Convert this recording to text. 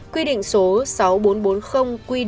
quy định số sáu nghìn bốn trăm bốn mươi